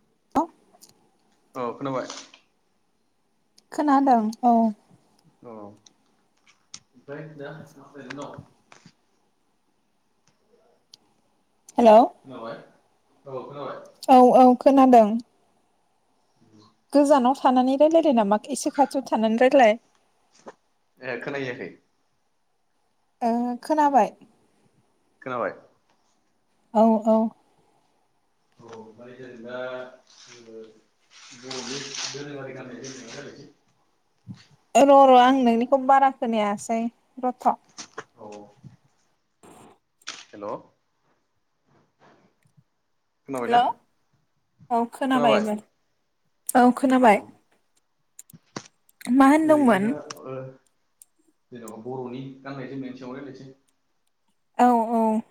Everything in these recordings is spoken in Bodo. [unintelligible] औ खोनाबाय। खोनादों अ [unintelligible] हेलौ खोनाबाय औ खोनाबाय। औ औ खोनादों। [unintelligible] गोजानाव थानानै रायलाय [unintelligible] नामा इसे खाथियाव थानानै रायलाय। ए खोनाहैयाखै ओं खोनाबाय। खोनाबाय औ औ ओमफाय जों दा ओ बरफोरनि दोरोङारि गाननाय जोमनायनि रायलायसै। ओ र र आं नोंनिखौ बारा खोनायासै रथ। औ हेल खोनाबायना औ खोनाबाय एबार। औ खोनाबाय। [unintelligible] मा होनदोंमोन जेनबा बरनि गाननाय जोमनायनि सायाव रायलायनोसै। औ औ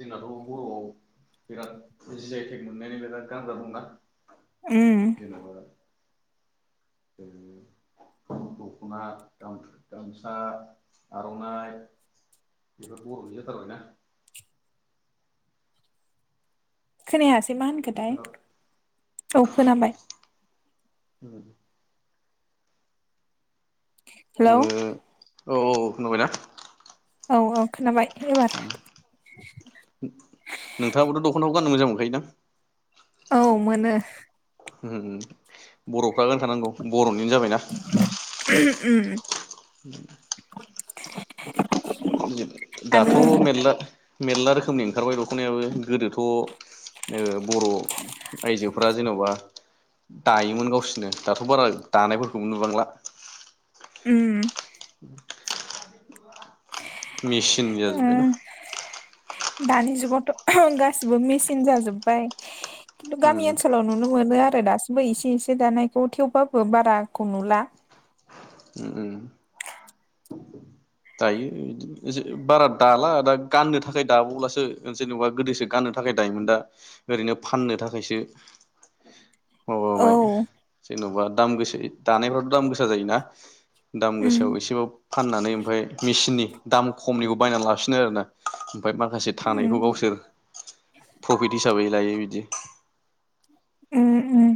जोंनाथ बरआव बिराद जियायटेक मोननायनि बिराद गानग्रा दंना। उम जेनेबा दखना गा-गामसा आरनाइ बेफोर बरनि जाथारबाय ना। खोनायासै बे मा होनखोथाय? खोना [unintelligible] ओ हेल औ औ नुबाय ना। औ औ खोनाबाय। एबार [unintelligible] नोंथाङाबोथ दखनाखौ गाननो मोजां मोनखायो दां। औ मोनो। होम बरफ्रा गानखा नांगौ बरन बिनो जाबायना। ओम [inaudible] [unintelligible] [unintelligible] दाथ आरो मेरला मेरला रोखोमनि ओंखारबाय दखनायाबो गोदोथ ओ बर आइजोफ्रा जेनबा दायोमोन गावसोरनो दाथ बारा दानायफोरखौबो नुबांला। उम [inaudible] मेसिन ओ जाजोब्बाय ना। दानि जुगावथ गासिबो मेचन जाजोब्बाय। खिन्थु उम गामि ओनसोलाव नुनो मोनो आरो दासि बै एसे एसे दानायखौ थेवबाबो बाराखौ नुला। दायो बिदिनो बारा दाला दा गाननो थाखाय दाबावब्लासो जेनेबा गोदोसो गाननो थाखाय दायोमोन दा ओरैनो फाननो थाखायसो औ माबाबाय जेनबा दाम गोसा दानायफ्राथ दाम गोसा जायो ना? दाम उम गोसायाव एसेबाब फाननानै ओमफाय मेचिननि दाम खमनिखौ बायनानै लाफिनो आरोना। ओमफ्राय माखासे उम थानायखौ गावसोर प्रफिट हिसाबै लायो बिदि उम उम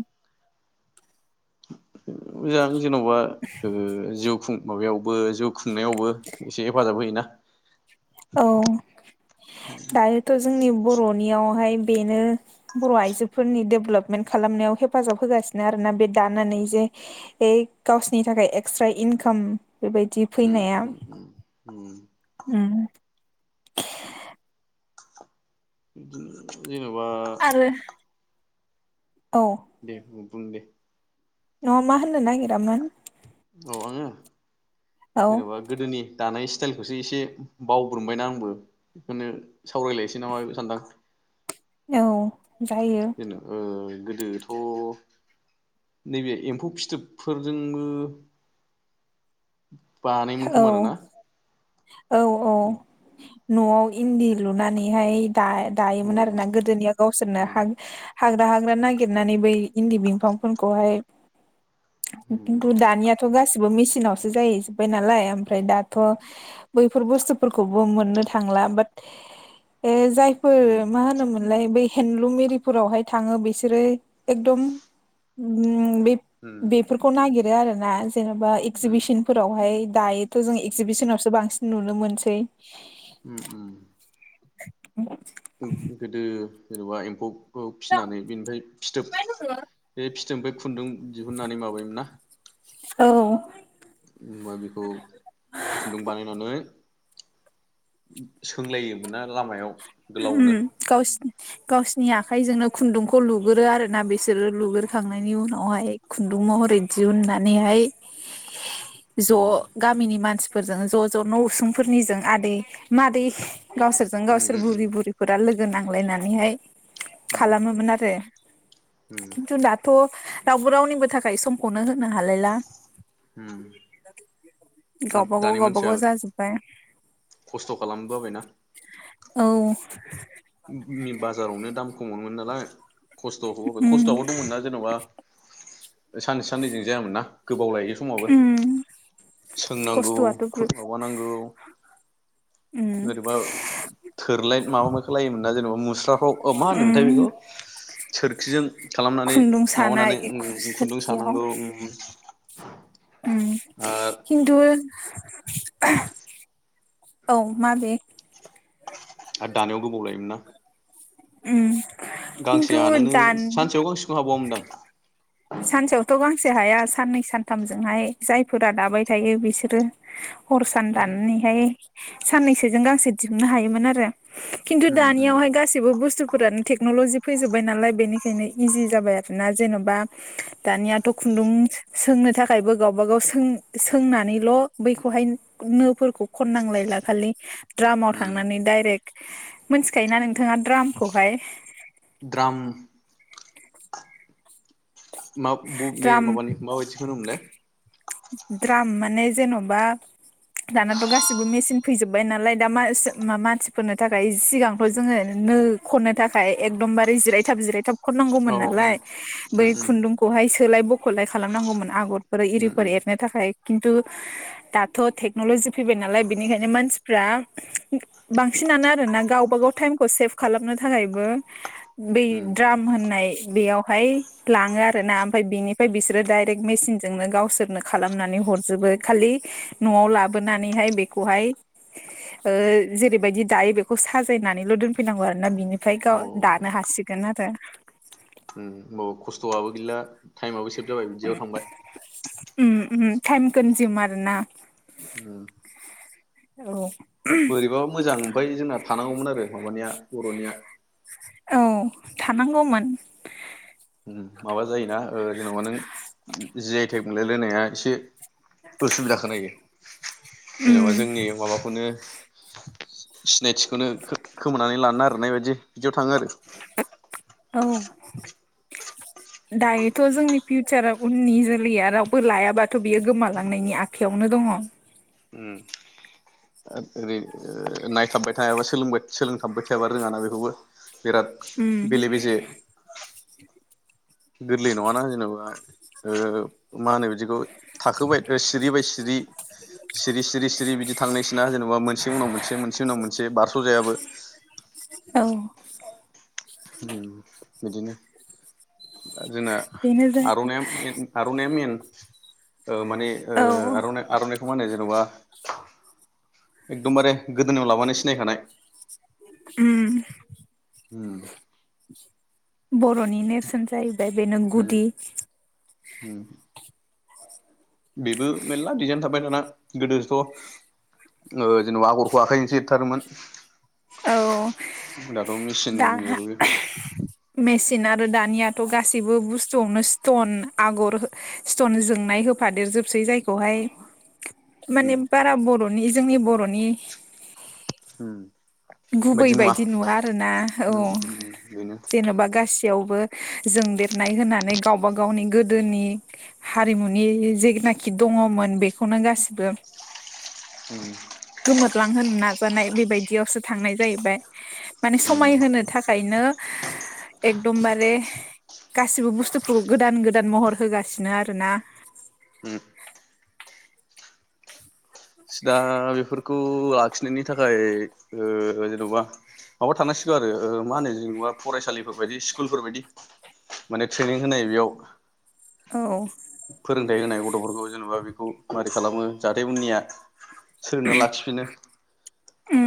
[unintelligible] जेनबा ओ जिउ खुं माबायावबो जुब खुंनायावबो एसे हेफाजाब होयोना। [inaudible] औ दायोथ ज जोंनि बरनियावहाय बेनो बर आइजोफोरनि डेभेलपमेन्ट खालामनायाव हेफाजाब होगासिनो आरोना बे दानानै जे ए गावसोरनि थाखाय एक्सट्रा इनकाम बेबायदि उम फैनाया। उम उम उम [inaudible] [unintelligible] जेनबा आरो औ दे बुं दे। नआव मा होन होनो नागिरामोन औ आङो औ जेनबा गोदोनि दानाय स्टाइलखौसो एसे बावग्रोमबायना आंबो बेखौनो सावरायलायनोसै नामा सानदां। औ जायो [unintelligible] गोदोथ नैबे एम्फौ फिथोबफोरजोंबो बानायोमोन खोमा औ आरोना औ औ। न'आव इन्दि लुनानैहाय अ दा-दायोमोन आरो ना गोदोनिया गावसोरनो उम हां हाग्रा हाग्रा नागिरनानै बै इन्दि बिफांफोरखौहाय उम खिन्थु दानियाथ गासिबो मिसि थिनावसो जायो जो बाय नालाय ओम ओमफ्राय दाथ बैफोर बुस्थुफोरखौ ब मोननो थांला बात ओ‌ जायफोर उम मा होनोमोनलाय बै हेन्दलुम एरिफोरावहाय थाङो बिसोरो एकदम उम उम बे-बेफोरखौ नागिर बाय आरो ना। जेनेबा एगजिबिसनफोर हाय दायोथ जों एगजिबिसनावसो बांसिन नुनो मोनसै। उम उम। [unintelligible] गोदो जेनेबा एम्फौ औ फिसिनानै बेनिफ्राय फिथोब बे फि जों बे खुन्दुं दिहुननानै माबायोमोन ना। औ बा बेखौ खुन्दुं बानायनानै सोंलायोमोन ना लामायाव। गोलावनो [unintelligible] नि आखाइजोंनो खुन्दुंखौ लुगोरो आरो ना बे बिसोरो लुगोरखांनायनि उनावहाय खुन्दुं महरै दिहुननानैहाय [unintelligible] ज उम गामिनि मानसि फोरजों ज' ज' न' उसुंफोरनिजों आदै मादै गावसोरजों उम गावसोर फोर उम बुरि बुरिफोरा लोगो गो नांलायनानैहाय उम उम खालामोमोन आरो उम खिन्थु दाथ' रावबो रावनिबो थाखाय समखौनो होनो हालायला उम आरो गावबागाव दानि मानसिया गावबागाव जाजोब्बाय खस्थ' खालामनो बाबायना औ नि बाजारावनो दाम खमावनो मोनोनालाय खस्थ' उम खस्थ'आवबो दंमोन ना जेन'बा सानसे साननैजों जायामोन ना गोबाव लायो समावबो उम सोंनांगौ खस्थ'आथ' खुद माबानांगौ उम जोरबा सोरलाय माबा खालायोमोना जेबो मुस्राफ्राव अ मा होनोमोनथाय उम बेखौ सोरखिजों खालामनानै खुन्दुं सानाय माबानानै ओम खुन्दुं सोरखियाव सानांगौ उम [unintelligible] खिन्थु [unintelligible] औ माबे आरो दानायाव गोबाव लायोमोन ना उम गांसे खिन्थु हानोनो दान सानसेयाव गांसेखौ हाबावोनदां सानसेयावथ' गां फांसे हाया साननै सानथामजोंहाय जायफोरा दाबाय थायो बिसोरो हर सान दाननानैहाय साननैसोजों गांसे दिहुननो हायोमोन आरो खिन्थु उम उम दानियावहाय गासिबो बुस्थु फोरानो टेक्न'लजि फैजोब्बाय नालाय बेनिखायनो इजि जाबाय आरोना जेन'बा दानियाथ' खुन्दुं सोंनो थाखायबो गावबा गाव सों-सोंनानैल बैखौहाय नोफोरखौ खननांलायला खालि ड्रामाव उम थांनानै डाइरेक्ट मोनथिखायो ना नोंथाङा द्रामखौहाय? द्राम [inaudible] मा ब-बे द्राम माबानि माबायदिखौ होनोमोनलाय? द्राम माने जेनबा दानाथ गासिबो मेसिन फैजोबबाय नालाय दा मासोमानसिफोरनो थाखाय सिगांथ जोङो नो खननो थाखाय एकदमबारे जिरायथाब जिरायथाब खननांगौमोन औ उम नालाय बै उम उम खुन्दुंखौहाय सोलाय बखलाय खालामनांगौमोन आगर उम बोरै [unintelligible] आगर उम एरनो थाखाय खिन्थु दाथ टेक्नलजि फैबाय नालाय बिनिखायनो मानसिफ्रा बांसिनानो आरोना गावब गाव टाइमखौ सेभ खालामनो थाखायबो बै उम अ द्राम होननाय बेयाव ओमफाय लाङो आरोना ओमफाय बिनिफ्राय बिसोरो देयरेक मेसिनजोंनो गावसोर नो खालामनानै हरजोबो खालि नआव लाबोनानैहाय बेखौहाय ओ जेरैबायदि दायो बेखौ साजायनानैल दोनफैनांगौ आरोना बिनिफ्राय गाव दानो उम हासिगोन आरो। अ खस्थआबो गैला टाइमआबो सेभ जाबाय बिदियाव थांबाय। उम उम टाइम कनजुम आरो ना। बोरैबाबो मोजां ओमफाय जोंना थानांगौमोन आरो माबानिया बरनिया। औ थानांगौमोन। माबा जायोना ओ जेनबा नों जि आइ टेक मोनलाय लायनाया एसे उसुबिदाखौ नायो उम जेनबा जोंनि माबाखौनो सिनायथिखोनो खो-खोमोनानानै लानो नागिरनाय बायदि बिदियाव थाङो आरो दायोथ जोंनि फिउचारा उननि जोलैया रावबो लायाबाथ बियो गोमालांनायनि आखायावनो दङ। उम [unintelligible] ओ नायथाबबाय थायाबा सोलोंबाय-सोलोंथाबबाय थायाबा रोङाना बेखौबो बिराद उम बेले बेजे। गोरलै नङाना जेनेबा ओ मा होनो बिदि बिदिखौ थाखोबाय ओ सिरि बाय सिरि सिरि सिरि सिरि बिदि थांनायसोना जेनेबा मोनसे उनाव मोनसे मोनसे उनाव मोनसे बारस जायाबो। [unintelligible] बिदिनो जोंना बेनो जाय आरनाया-आरनाइया मेन। [inaudible] ओ माने ओ औ आरना-आरनाइखौ मा होनो जेनबा एकदमबारे गोदोनायाव लाबानो सिनायखानाय। उम बर'नि नेरसोन जाहैबाय बेनो गुदि उम बेबो मेलला डिजाइन थाबाय दाना गोदोथ' जेनेबा आगरखौ आखाइजोंसो एरथारोमोन। औ दाथ' मेचिन दा एरबो मेसि आरो दानियाथ' गासैबो बुस्थुआवनो स्टन आगर स्टन जोंनाय होफादेरजोबसै जायखौहाय माने बारा‌ बर' नि जोंनि बर'नि होम गुबै बायदि नुवा आरो ना अ उम उम बेनो जेनेबा गासैयावबो जों देरनाय होनानै गावबा गावनि गोदोनि हारिमुनि जेनाखि दङमोन बेखौनो गासिबो उम [unintelligible] नाजानाय बेबायदियावसो थांनाय जाहैबाय। माने उम समायहोनो थाखायनो एकदमबारे गासिबो बुस्तुफोरखौ गोदान गोदान महर होगासिनो आरोना। उम दा बेफोरखौ उ आखिनायनि थाखाय ओ जेनबा माबा थांसिगौ आरो मा होनो जेनबा फरायसालिफोर बायदि स्कुलफोर बायदि माने ट्रेनिं होनो बेयाव औ फोरोंथाइ होनाय गथ'फोरखौ जेनेबा बेखौ मारै खालामो जाहाथे उननिया सोरना लाखिफिनो उम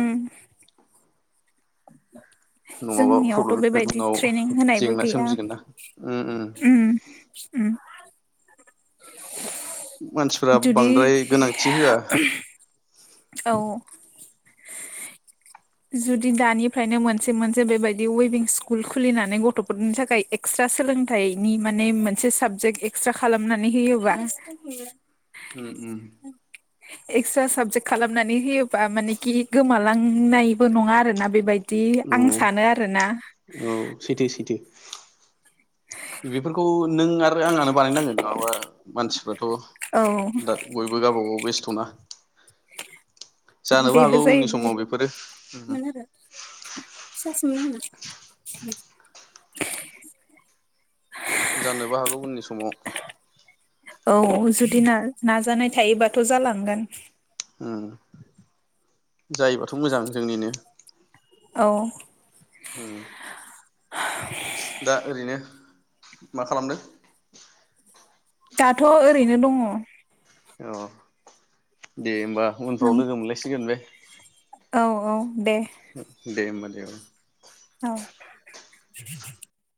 [inaudible] नङाबा जोंनियावथ' प्रब्लेम बेबायदि उनाव ट्रेनिं होनायबो जेंना गैया। सोमजिगोन ना उम उम मानसिफोरा जुदि बांद्राय गोनांथि होआ। औ जुदि दानिफ्रायनो मोनसे मोनसे बेबायदि वेबिं स्कुल खुलिनानै गथ'फोरनि थाखाय एक्सट्रा सोलोंथाइनि माने मोनसे साबजेक्ट एक्सट्रा खालाम हमनानै होयोबा उम उम एक्सट्रा साबजेक्ट खालामनानै होयोबा माने कि गोमालांनाय नङा आरो ना बेबायदि उम आं औ सानो आरो ना। औ सैथो सैथो बेफोरखौ नों आरो आङानो बानायनांगोन नङाबा मानसिफ्राथ' औ दा बयबो गावब गाव बेस्थ'ना जानोबो बेबो हागौ उननि जाहैबाय समाव बेफोरो उम [unintelligible] [inaudible] जानोबो हागौ उननि समाव। औ जुदि ना-नाजानाय थायोबाथ जालांगोन। उम जायोबाथ मोजां जोंनिनो। औ उम दा ओरैनो मा खालामदों? दाथ ओरैनो दङ। अ दे बा उनफ्राव नों लोगो मोनलायसिगोन बे। औ औ दे। दे होमबा दे औ। औ [inaudible]